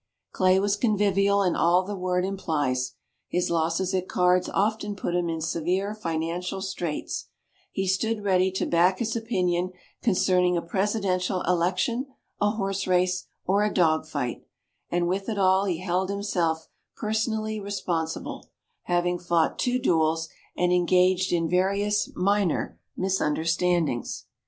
Clay was convivial in all the word implies; his losses at cards often put him in severe financial straits; he stood ready to back his opinion concerning a Presidential election, a horse race or a dog fight, and with it all he held himself "personally responsible" having fought two duels and engaged in various minor "misunderstandings."